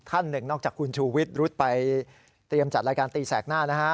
ท่านหนึ่งนอกจากคุณชูวิทย์รุดไปเตรียมจัดรายการตีแสกหน้านะฮะ